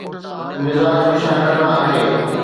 مزاج به شاعرانه آهي.